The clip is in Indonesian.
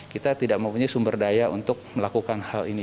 kita tidak mempunyai sumber daya untuk melakukan hal ini